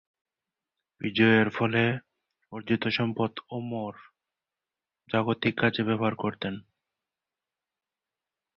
বিজয়ের ফলে অর্জিত সম্পদ উমর জাগতিক কাজে ব্যবহার করতেন।